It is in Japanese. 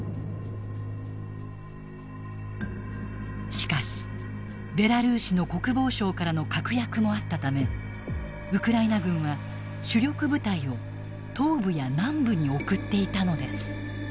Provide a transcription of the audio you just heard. しかしベラルーシの国防相からの確約もあったためウクライナ軍は主力部隊を東部や南部に送っていたのです。